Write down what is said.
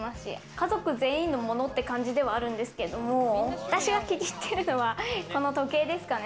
家族全員のものっていう感じではあるんですけども、私が気に入ってるのはこの時計ですかね。